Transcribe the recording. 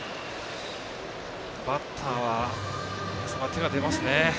バッターはあそこは手が出ますね。